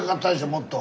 もっと。